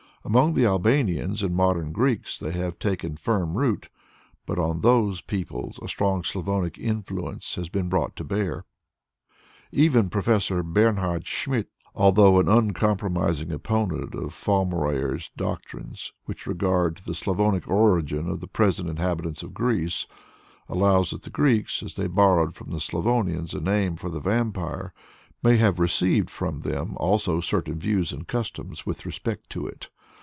Among the Albanians and Modern Greeks they have taken firm root, but on those peoples a strong Slavonic influence has been brought to bear. Even Prof. Bernhard Schmidt, although an uncompromising opponent of Fallmerayer's doctrines with regard to the Slavonic origin of the present inhabitants of Greece, allows that the Greeks, as they borrowed from the Slavonians a name for the Vampire, may have received from them also certain views and customs with respect to it.